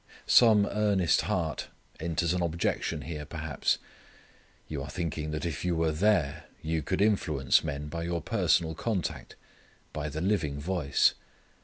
Some earnest heart enters an objection here, perhaps. You are thinking that if you were there you could influence men by your personal contact, by the living voice.